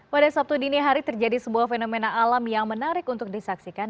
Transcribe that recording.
pada sabtu dini hari terjadi sebuah fenomena alam yang menarik untuk disaksikan